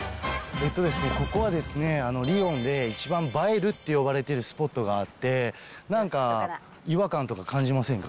ここはですね、リヨンで一番映えるって呼ばれてるスポットがあって、なんか違和感とか感じませんか？